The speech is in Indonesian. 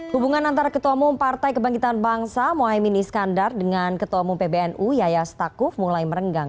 hubungan antara ketua umum partai kebangkitan bangsa mohaimin iskandar dengan ketua umum pbnu yaya stakuf mulai merenggang